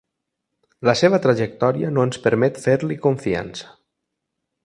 La seva trajectòria no ens permet fer-li confiança.